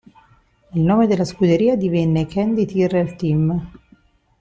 Il nome della scuderia divenne "Candy Tyrrell Team".